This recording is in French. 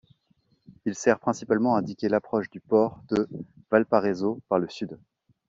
Il sert principalement à indiquer l’approche du port de Valparaiso par le sud.